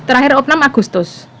terakhir enam agustus